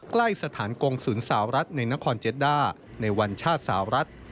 ใกล้สถานกงศูนย์สาวรัฐในนครเจ็ดด้าในวันชาติสาวรัฐ